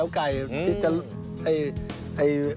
มันไม่ใช่เลาะเป็ดเลาะไก่